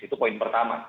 itu poin pertama